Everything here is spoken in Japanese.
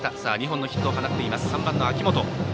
２本のヒットを放っている３番の秋元。